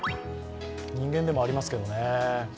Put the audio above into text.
人間でもありますけどね。